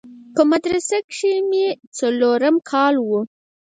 په مدرسه کښې مې څلورم کال و.